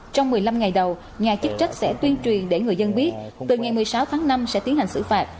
trong một mươi năm ngày đầu nhà chức trách sẽ tuyên truyền để người dân biết từ ngày một mươi sáu tháng năm sẽ tiến hành xử phạt